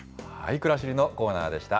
くらしりのコーナーでした。